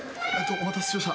お待たせしました。